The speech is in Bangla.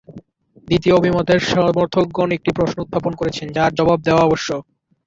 দ্বিতীয় অভিমতের সমর্থকগণ একটি প্রশ্ন উত্থাপন করেছেন, যার জবাব দেওয়া আবশ্যক।